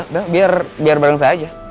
dah biar bareng saya aja